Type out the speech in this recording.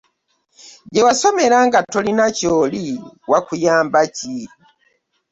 Gye wasomera nga tolina ky'oli wakuyamba ki?